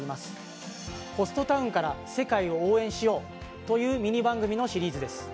「ホストタウンから世界を応援しよう！」というミニ番組のシリーズです。